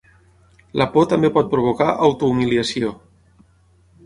La por també pot provocar autohumiliació.